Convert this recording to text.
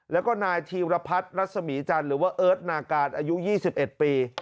แล้วก็นายธีรพัฒน์รัศมีจันทร์หรือว่าเอิร์ทนาการอายุ๒๑ปี